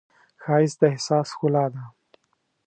ښایست د احساس ښکلا ده